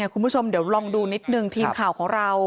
คุณผู้ชมเดี๋ยวลองดูนิดนึงทีมข่าวของเรา